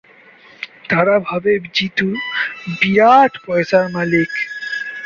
তারা ভাবে জিতু বিরাট পয়সার মালিক।